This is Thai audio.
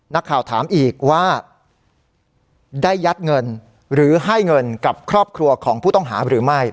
นักข่าวถามอีกว่าได้ยัดเงินหรือให้เงินกับครอบครัวของผู้ต้องหาหรือไม่